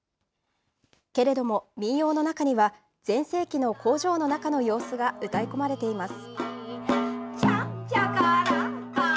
けれども民謡の中には、全盛期の工場の中の様子が歌い込まれています。